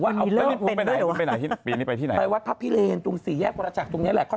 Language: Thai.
เขาเผาสมภะจริงแล้วก็